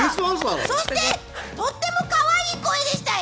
そしてとっても可愛い声でしたよ。